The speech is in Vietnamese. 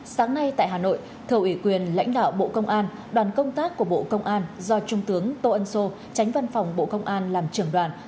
sáng nay tại hà nội thầu ủy quyền lãnh đạo bộ công an đoàn công tác của bộ công an do trung tướng tô ân sô tránh văn phòng bộ công an làm trưởng đoàn